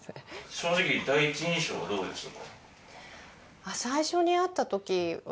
正直第一印象はどうでしたか？